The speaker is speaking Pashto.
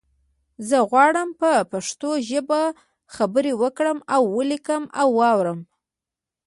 زه غواړم په پښتو ژبه خبری وکړم او ولیکم او وارم